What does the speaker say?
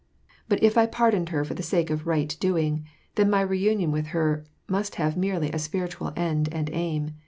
But if I pardoned her for the sake of right doing, then my re union with her must have merely. a spiritual end and aim.